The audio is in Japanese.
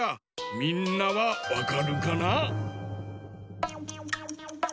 みんなはわかるかな？